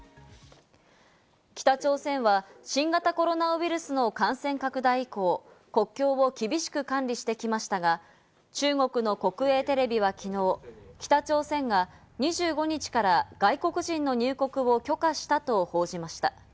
北朝鮮は新型コロナウイルスの感染拡大以降、国境を厳しく管理してきましたが、中国の国営テレビはきのう、北朝鮮が２５日から外国人の入国を許可したと報じました。